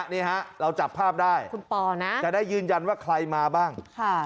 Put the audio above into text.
นี่ฮะเราจับภาพได้คุณปอนะจะได้ยืนยันว่าใครมาบ้าง